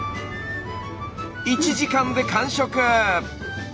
１時間で完食！